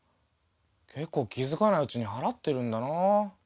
けっこう気づかないうちに払ってるんだなあ。